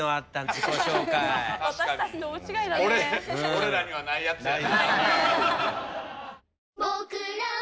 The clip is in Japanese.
俺らにはないやつやな。